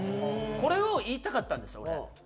これを言いたかったんです俺。